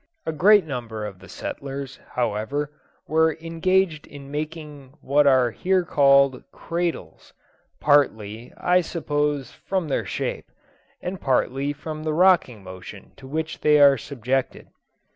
A great number of the settlers, however, were engaged in making what are here called "cradles;" partly, I suppose, from their shape, and partly from the rocking motion to which they are subjected.